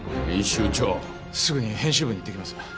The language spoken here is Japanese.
すぐに編集部に行ってきます。